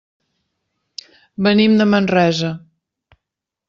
Venim de Manresa.